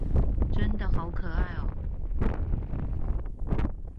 真的好可愛喔